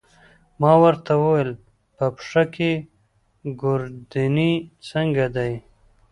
ما ورته وویل: په پښه کې، ګوردیني څنګه دی؟